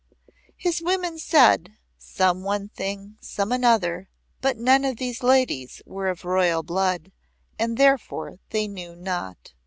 His women said some one thing, some another, but none of these ladies were of royal blood, and therefore they knew not.